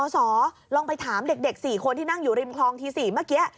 สอลองไปถามเด็ก๔คนที่นั่งอยู่ริมคลองที๔เมื่อกี้